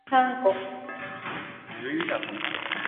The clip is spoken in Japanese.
頭はシートを打ち、跳ね返って、再びシートに落ち着く